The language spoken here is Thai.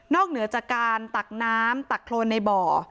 เหนือจากการตักน้ำตักโครนในบ่อ